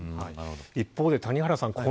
一方で谷原さん